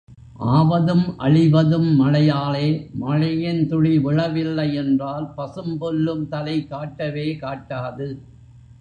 ஆவதும் அழிவதும் மழையாலே, மழையின் துளி விழவில்லை என்றால் பசும்புல்லும் தலை காட்டவே காட்டாது.